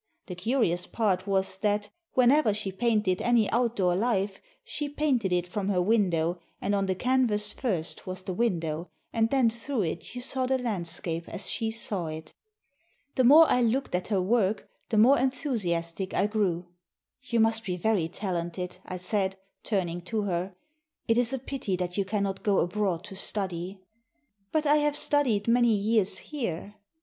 The curious part was that, whenever she painted any outdoor life, she painted it from her window, and on the canvas first was the window, and then through it you saw the landscape as she saw it. The more I looked at her work, the more enthusiastic I grew. "You must be very talented," I said, turning to her. "It is a pity that you cannot go abroad to study." "But I have studied many years here."